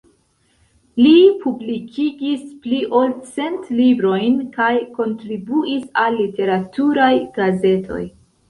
Li publikigis pli ol cent librojn kaj kontribuis al literaturaj gazetoj.